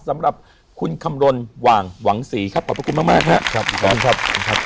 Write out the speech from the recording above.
สำหรับคุณคำลนหว่างหวังศรีครับขอบคุณมากมากฮะครับขอบคุณครับ